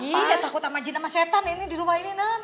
bibi gak takut sama jin sama setan ini di rumah ini non